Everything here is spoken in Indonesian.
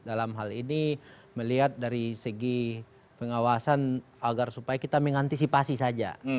dalam hal ini melihat dari segi pengawasan agar supaya kita mengantisipasi saja